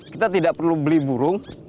kita tidak perlu beli burung